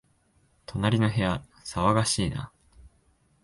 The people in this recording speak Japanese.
隣の部屋、騒がしいな